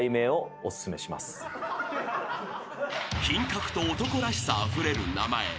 ［品格と男らしさあふれる名前］